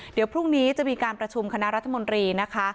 เดี๋ยวพรุ่งนี้จะมีการประชุมคณะรัฐมนตรีนะคะ